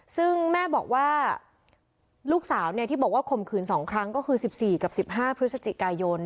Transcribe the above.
ซึ่งแม่บอกว่าลูกสาวที่บอกว่าข่มขืน๒ครั้งก็คือ๑๔กับ๑๕พฤศจิกายน